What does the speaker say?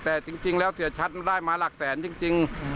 แต่จริงแล้วเสียชัดได้มาหลักแสนจริง